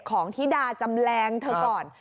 ของธิดาจำแรงเธอก่อน